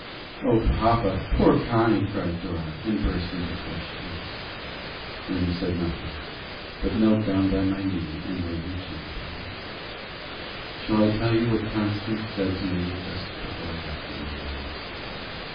"O, papa! poor Connie!" cried Dora, and burst into fresh tears. Wynnie said nothing, but knelt down by my knee, and laid her cheek upon it. "Shall I tell you what Constance said to me just before I left the room?" I asked.